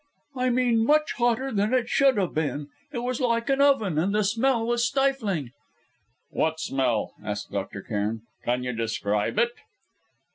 "I mean much hotter than it should have been. It was like an oven, and the smell was stifling " "What smell?" asked Dr. Cairn. "Can you describe it?"